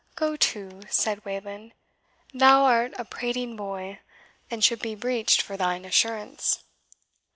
"Go to," said Wayland, "thou art a prating boy, and should be breeched for thine assurance."